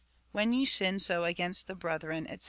When ye sin so against the brethren, &c.